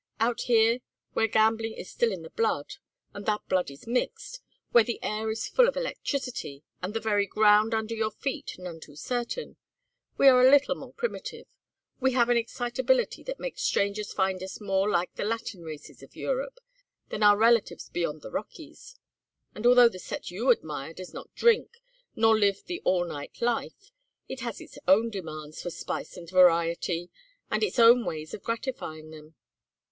Out here where gambling is still in the blood and that blood is mixed where the air is full of electricity, and the very ground under your feet none too certain, we are a little more primitive; we have an excitability that makes strangers find us more like the Latin races of Europe than our relatives beyond the Rockies. And although the set you admire does not drink, nor live the all night life, it has its own demands for spice and variety, and its own ways of gratifying them.